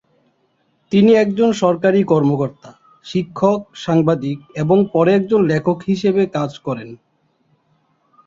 তিনি একজন সরকারি কর্মকর্তা, শিক্ষক, সাংবাদিক এবং পরে একজন লেখক হিসেবে কাজ করেন।